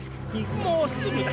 もうすぐだ。